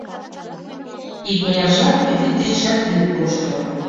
Икмыняр жап вӱд дечшат лӱдын кошто.